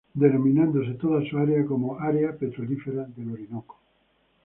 Denominándose toda su área como "Área Petrolífera del Orinoco".